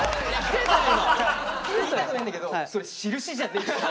言いたくないんだけどそれ「しるし」じゃねえし。